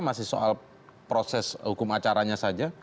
masih soal proses hukum acaranya saja